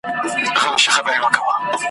د دښمن پر زړه وهلی بیرغ غواړم `